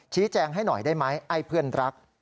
ชี้แจงให้หน่อยได้ไหมไอ้เพื่อนรัก